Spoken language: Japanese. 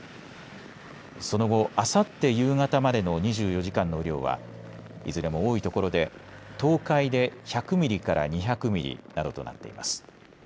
その後、あさって夕方までの２４時間の雨量はいずれも多い所で東海で１００ミリから２００ミリなどとなっています。